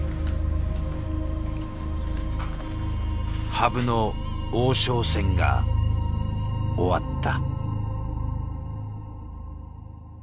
羽生の王将戦が終わった。